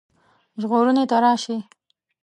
ژغورني ته راشي.